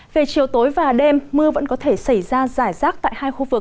về chiều tối và đêm mưa vẫn có thể xảy ra giải rác tại hai khu vực